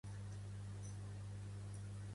Guarda que dimarts tinc visita amb la doctora Rovira.